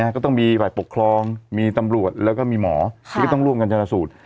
ก็ต้องมีฝ่ายปกครองมีตำรวจแล้วก็มีหมอที่ก็ต้องร่วมกันชนสูตร